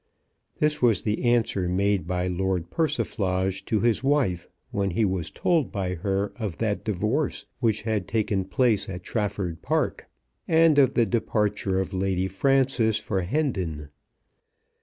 This was the answer made by Lord Persiflage to his wife when he was told by her of that divorce which had taken place at Trafford Park, and of the departure of Lady Frances for Hendon.